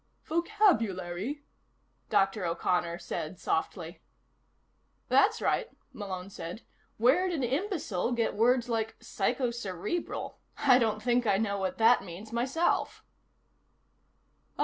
"Vocabulary?" Dr. O'Connor said softly. "That's right," Malone said. "Where'd an imbecile get words like 'psychocerebral?' I don't think I know what that means, myself."